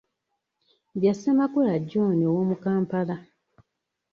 Bya Ssemakula John ow'omu Kampala.